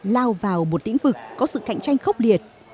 lao vào một lĩnh vực có sự cạnh tranh khốc liệt